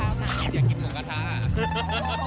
อยากกินเนื้อกะทะค่ะ